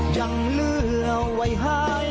ยังเหลือไหว้หาย